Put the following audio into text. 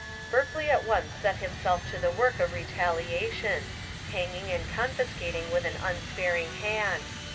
Berkeley at once set himself to the work of re taliation, — hanging and confiscating with an unsparing hand.